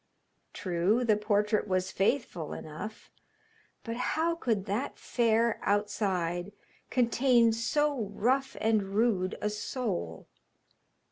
True, the portrait was faithful enough, but how could that fair outside contain so rough and rude a soul?